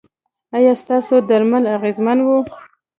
ایا ستاسو درمل اغیزمن وو؟